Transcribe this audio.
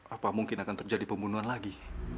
apa mungkin akan terjadi pembunuhan lagi